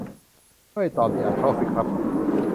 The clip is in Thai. เห่ย ตอบดีอะ ช็อกสิครับ